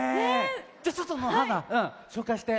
じゃちょっとのはーなしょうかいして。